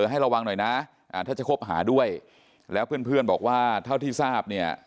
ให้ระวังหน่อยนะถ้าจะคบหาด้วยแล้วเพื่อนบอกว่าเท่าที่ทราบเนี่ย